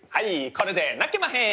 これで泣けまへん！